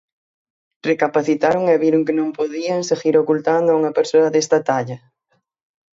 Recapacitaron e viron que non podían seguir ocultando a unha persoa desta talla.